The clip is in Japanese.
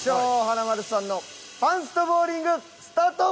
華丸さんのパンストボウリングスタート！